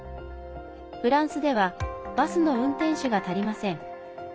フランスではバスの運転手が足りません。